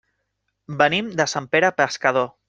Venim de Sant Pere Pescador.